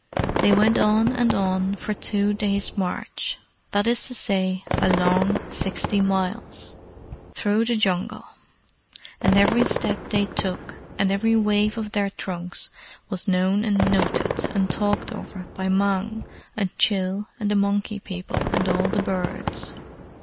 They went on and on for two days' march that is to say, a long sixty miles through the Jungle; and every step they took, and every wave of their trunks, was known and noted and talked over by Mang and Chil and the Monkey People and all the birds.